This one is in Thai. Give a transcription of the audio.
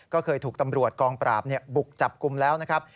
ก็เคยถูกตำรวจกองปราบบุกจับกลุ่มแล้วนะครับ